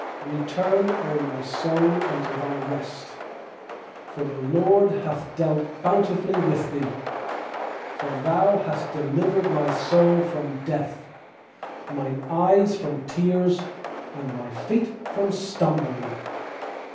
7Return, O my soul, unto thy rest; For the LORD hath dealt bountifully with thee. 8For Thou hast delivered my soul from death, Mine eyes from tears, And my feet from stumbling.